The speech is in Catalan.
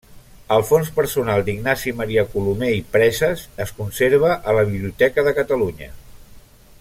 El fons personal d'Ignasi Maria Colomer i Preses es conserva a la Biblioteca de Catalunya.